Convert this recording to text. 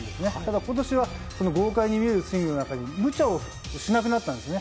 今年は豪快に見えるスイングの中でも無茶をしなくなったんですね。